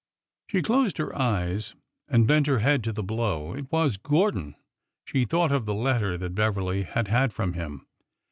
'' She closed her eyes and bent her head to the blow. It was Gordon! She thought of the letter that Beverly had had from him.